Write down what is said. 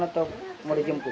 atau mau dijemput